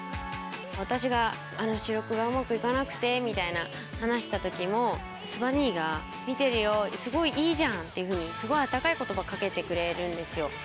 私が「あの収録がうまく行かなくて」みたいな話した時もすば兄が「見てるよすごいいいじゃん」っていうふうにすごい温かい言葉掛けてくれるんですよ。